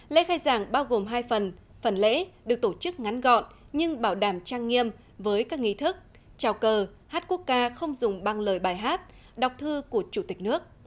lễ khai giảng bao gồm hai phần phần lễ được tổ chức ngắn gọn nhưng bảo đảm trang nghiêm với các nghi thức trào cờ hát quốc ca không dùng băng lời bài hát đọc thư của chủ tịch nước